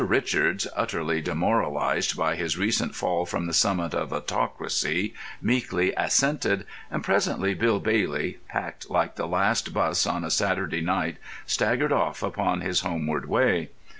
Richards, utterly demoralised by his recent fall from the summit of autocracy, meekly assented, and presently Bill Bailey, packed like the last 'bus on a Saturday night, staggered off upon his homeward way.